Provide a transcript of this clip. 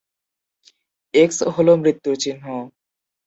X হল মৃত্যুর চিহ্ন।